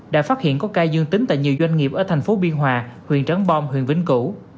đã phát hiện có ca dương tính tại nhiều doanh nghiệp ở thành phố biên hòa huyện trắng bom huyện vĩnh cửu